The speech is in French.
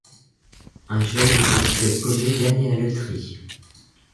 Un jeune homosexuel paumé gagne à la loterie.